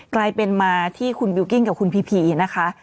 กลายเป็นมาที่คุณบิลกิ้งกับคุณพีพีนะคะ